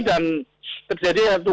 dan terjadi hal hal yang tidak bisa diterima